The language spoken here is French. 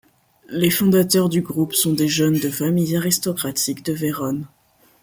Les fondateurs du groupe sont des jeunes de familles aristrocratiques de Vérone.